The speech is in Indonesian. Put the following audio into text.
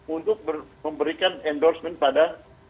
untuk memberikan endorsement pada